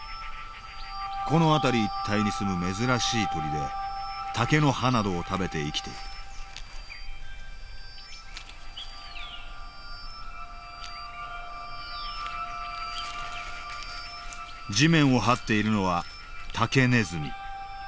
この辺り一帯に住む珍しい鳥で竹の葉などを食べて生きている地面をはっているのはタケネズミ。